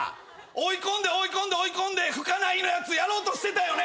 追い込んで追い込んで追い込んで吹かないのやつやろうとしてたよね？